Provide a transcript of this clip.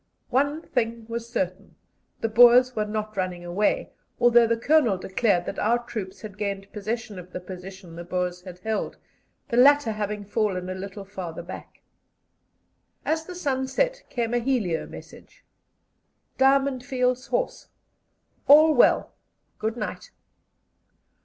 One thing was certain: the Boers were not running away, although the Colonel declared that our troops had gained possession of the position the Boers had held, the latter having fallen a little farther back. As the sun set came a helio message: "Diamond Fields Horse. All well. Good night."